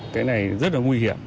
cái này rất là nguy hiểm